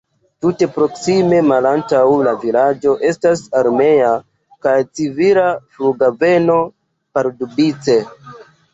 Tute proksime malantaŭ la vilaĝo estas armea kaj civila flughaveno Pardubice.